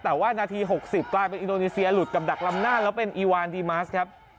แต่ว่านาที๖๐กลายเป็นอินโดนีเซียหลุดกับดักลำหน้าแล้วเป็นอีวานดีมัสครับ